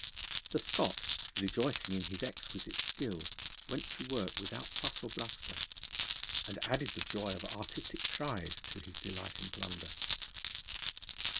The Scot, rejoicing in his exquisite skill, went to work without fuss or bluster, and added the joy of artistic pride to his delight in plunder.